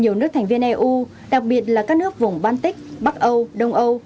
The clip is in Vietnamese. nhiều nước thành viên eu đặc biệt là các nước vùng baltic bắc âu đông âu